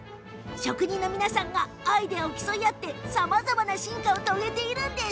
職人たちがアイデアを競い合ってさまざまな進化を遂げているんです。